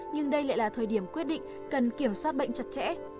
nhưng đây lại là thời điểm quyết định cần kiểm soát bệnh chặt chẽ